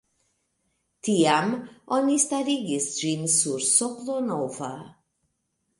Tiam oni starigis ĝin sur soklo nova.